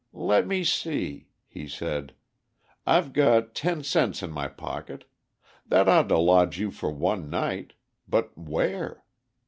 "Let me see," he said. "I've got ten cents in my pocket. That ought to lodge you for one night—but where?